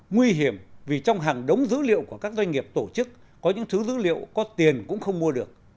nguy hiểm vì trong hàng đống dữ liệu của các doanh nghiệp tổ chức có những thứ dữ liệu có tiền cũng không mua được